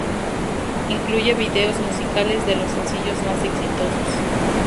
Incluye videos musicales de los sencillos más exitosos.